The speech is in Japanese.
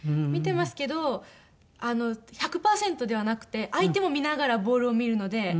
見てますけど１００パーセントではなくて相手も見ながらボールを見るので。